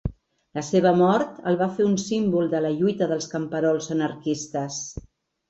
La seva mort el va fer un símbol de la lluita dels camperols anarquistes.